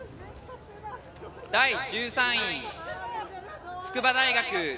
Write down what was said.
１３位、筑波大学。